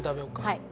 はい。